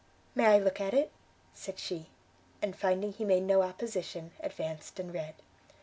"May I look at it?" said she; and, finding he made no opposition, advanced and read.